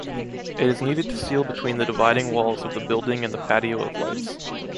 It is needed to seal between the dividing walls of the building and the patio of lights.